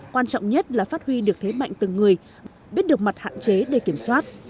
quan trọng nhất là phát huy được thế mạnh từng người biết được mặt hạn chế để kiểm soát